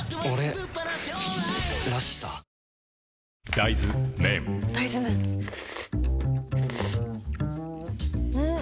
大豆麺ん？